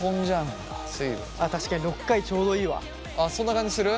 そんな感じする？